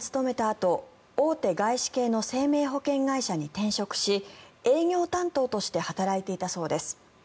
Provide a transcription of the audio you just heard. あと大手外資系の生命保険会社に転職し営業担当として働いていたそうです。